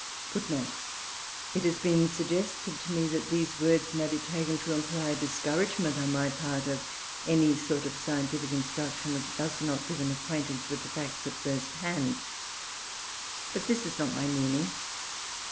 [Footnote 2: It has been suggested to me that these words may be taken to imply a discouragement on my part of any sort of scientific instruction which does not give an acquaintance with the facts at first hand. But this is not my meaning.